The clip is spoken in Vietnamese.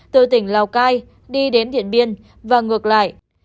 từ tỉnh lào cai đi đến điện biên và ngược lại